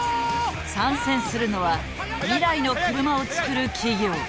参戦するのは未来の車を作る企業。